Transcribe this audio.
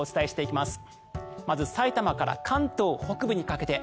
まず、さいたまから関東北部にかけて。